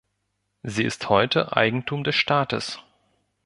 Sie ist heute Eigentum des Staates.